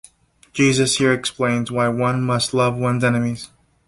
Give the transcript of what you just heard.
Jesus here explains why one must love one's enemies.